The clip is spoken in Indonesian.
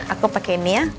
aku pakai ini yah